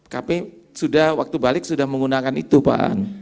kami sudah waktu balik sudah menggunakan itu pak